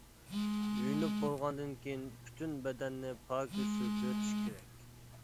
يۇيۇنۇپ بولغاندىن كېيىن، پۈتۈن بەدەننى پاكىز سۈرتۈۋېتىش كېرەك.